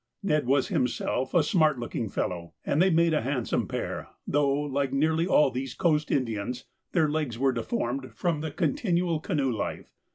Ned was himself a smart looking fellow, and they made a handsome pair, though, like nearly all these coast Indians, their legs were deformed from the continual canoe life.